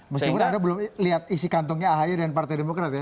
meskipun anda belum lihat isi kantongnya ahy dan partai demokrat ya